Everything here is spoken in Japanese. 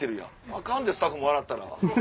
アカンでスタッフも笑ったら。